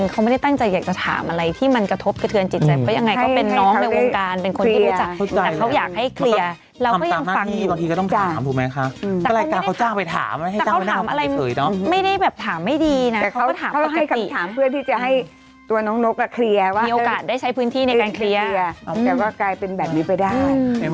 เขาได้เคลียร์เข้าใจแต่เขาอยากให้เคลียร์